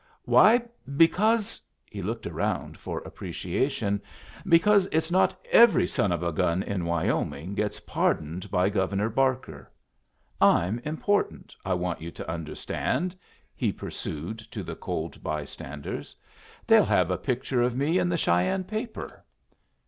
Why, because" he looked around for appreciation "because it's not every son of a gun in Wyoming gets pardoned by Governor Barker. I'm important, I want you to understand," he pursued to the cold bystanders. "They'll have a picture of me in the Cheyenne paper.